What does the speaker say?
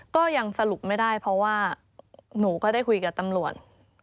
ก็ยังสรุปไม่ได้เพราะว่าหนูก็ได้คุยกับตำรวจ